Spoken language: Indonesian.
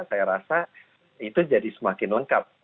saya rasa itu jadi semakin lengkap